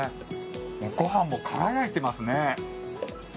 ご飯も輝いてますね。